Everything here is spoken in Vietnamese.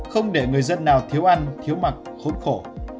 không để người dân nào thiếu ăn thiếu mặc khốn khổ